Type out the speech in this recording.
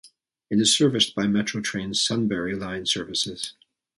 It is serviced by Metro Trains' Sunbury line services.